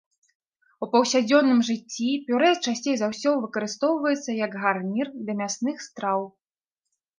У паўсядзённым жыцці пюрэ часцей за ўсё выкарыстоўваецца як гарнір да мясных страў.